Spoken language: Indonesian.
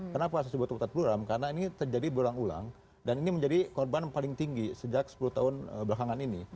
kenapa saya sebut buram karena ini terjadi berulang ulang dan ini menjadi korban paling tinggi sejak sepuluh tahun belakangan ini